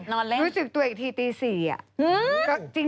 นอนเล่นรู้สึกตัวเอกทีสี่